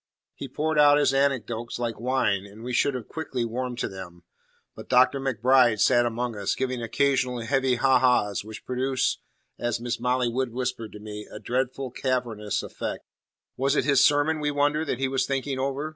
He poured out his anecdotes like wine, and we should have quickly warmed to them; but Dr. MacBride sat among us, giving occasional heavy ha ha's, which produced, as Miss Molly Wood whispered to me, a "dreadfully cavernous effect." Was it his sermon, we wondered, that he was thinking over?